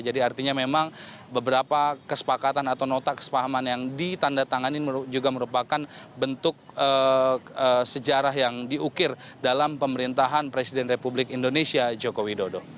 jadi artinya memang beberapa kesepakatan atau otak sepahaman yang ditanda tangani juga merupakan bentuk sejarah yang diukir dalam pemerintahan presiden republik indonesia joko widodo